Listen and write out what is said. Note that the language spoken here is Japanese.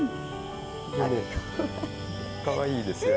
かわいいですよね。